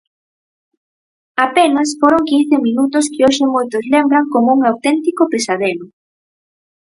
Apenas foron quince minutos que hoxe moitos lembran como un auténtico pesadelo.